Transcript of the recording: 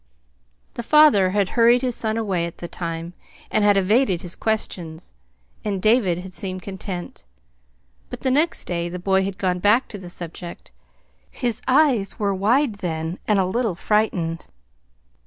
The father had hurried his son away at the time, and had evaded his questions; and David had seemed content. But the next day the boy had gone back to the subject. His eyes were wide then, and a little frightened.